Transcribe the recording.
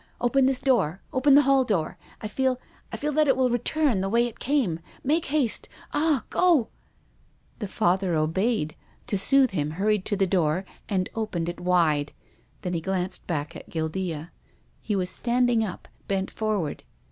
Open this door — open the hall door. I feel — I feel that it will return the way it came. Make haste — ah, go !" The Father obeyed — to soothe him, hurried to the door and opened it wide. Then he glanced back at Guildea. He was standing up, bent for ward.